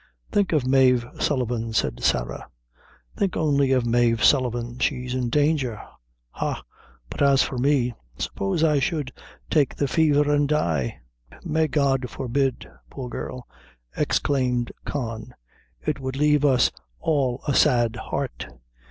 "Think of Mave Sullivan," said Sarah "think only' of Mave Sullivan she's in danger ha but as for me suppose I should take the faver and die?" "May God forbid, poor girl," exclaimed Con; "it would lave us all a sad heart.